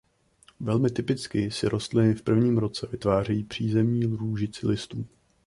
Velmi typicky si rostliny v prvním roce vytvářejí přízemní růžici listů.